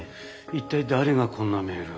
一体誰がこんなメールを。